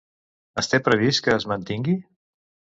Es té previst que es mantingui?